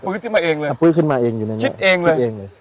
ปื๊ดขึ้นมาเองเลยปื๊ดขึ้นมาเองอยู่ในนั้นคิดเองเลยคิดเองเลย